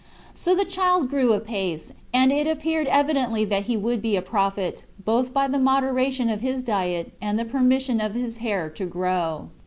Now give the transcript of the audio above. So the child grew apace; and it appeared evidently that he would be a prophet, 19 both by the moderation of his diet, and the permission of his hair to grow.